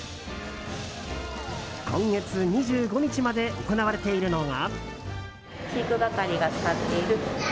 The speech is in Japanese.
今月２５日まで行われているのが。